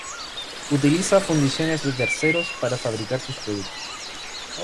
Utiliza fundiciones de terceros para fabricar sus productos.